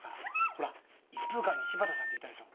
ほら一風館に柴田さんっていたでしょ？